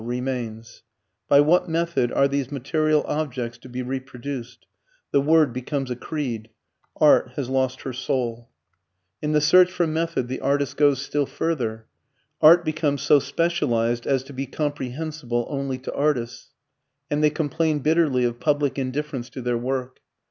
remains. By what method are these material objects to be reproduced? The word becomes a creed. Art has lost her soul. In the search for method the artist goes still further. Art becomes so specialized as to be comprehensible only to artists, and they complain bitterly of public indifference to their work.